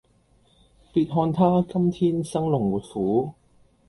別看他今天生龍活虎